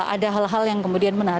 ada hal hal yang kemudian menarik